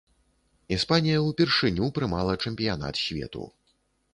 Іспанія ўпершыню прымала чэмпіянат свету.